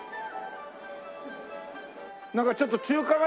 なんかちょっと中華街っぽいね